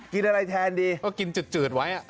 กินอะไรแทนดีก็กินจืดไว้